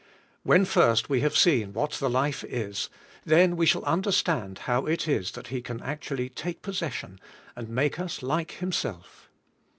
When first we have seen what the life is, then we shall under stand how it is that He can actually take posses sion, and make us like Himself.